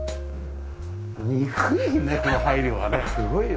憎いね